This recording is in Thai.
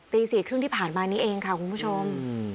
ตี๔๓๐ที่ผ่านมานี้เองค่ะคุณผู้ชม